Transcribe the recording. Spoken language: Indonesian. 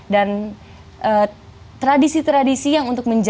dan tradisi tradisi yang untuk menjualnya